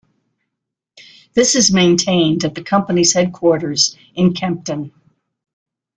This is maintained at the company's headquarters in Kempten.